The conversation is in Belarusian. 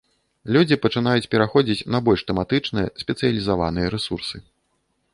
Людзі пачынаюць пераходзіць на больш тэматычныя, спецыялізаваныя рэсурсы.